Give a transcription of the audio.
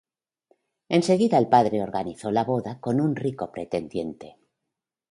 Enseguida el padre organizó la boda con un rico pretendiente.